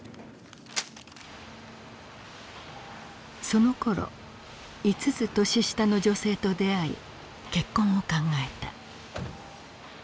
そのころ５つ年下の女性と出会い結婚を考えた。